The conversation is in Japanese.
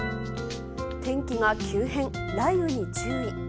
天気が急変、雷雨に注意。